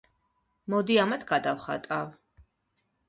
მოდი, ამათ გადავხატავ.